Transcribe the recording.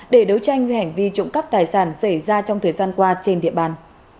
để đấu tranh với hành vi trộm cắp tài sản xảy ra trong thời gian qua trên địa bàn